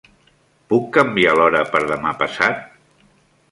Puc canviar l'hora per demà passat?